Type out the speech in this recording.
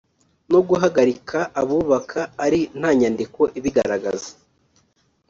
no guhagarika abubaka ari ntanyandiko ibigaragaza